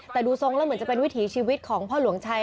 แต่ดูทรงแล้วเหมือนจะเป็นวิถีชีวิตของพ่อหลวงชัย